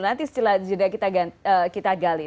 nanti setelah jeda kita gali